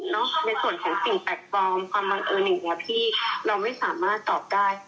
ในส่วนของสิ่งแปลกปลอมความบังเอิญอย่างนี้พี่เราไม่สามารถตอบได้